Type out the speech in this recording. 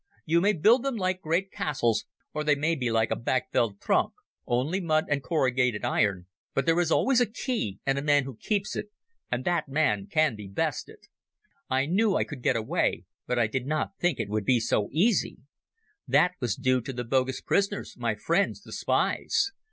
You may build them like great castles, or they may be like a backveld tronk, only mud and corrugated iron, but there is always a key and a man who keeps it, and that man can be bested. I knew I could get away, but I did not think it would be so easy. That was due to the bogus prisoners, my friends, the spies.